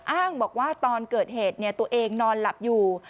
อ้างบอกว่าตอนเกิดเหตุตัวเองนอนหลับอยู่